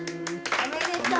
おめでとう。